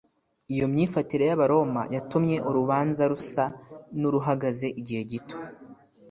iyo myifatire y’abaroma yatumye urubanza rusa n’uruhagaze igihe gito;